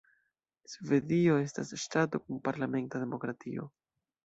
Svedio estas ŝtato kun parlamenta demokratio.